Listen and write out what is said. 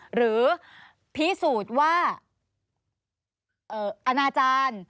หรือพิสูจน์ว่าอนาจารย์